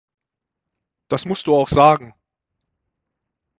Das musst du auch sagen!